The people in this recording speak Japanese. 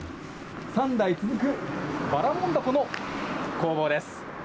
ここが、３代続くばらもんだこの工房です。